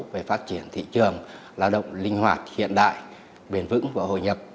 về phát triển thị trường lao động linh hoạt hiện đại bền vững và hội nhập